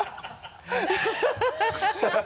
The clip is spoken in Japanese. ハハハ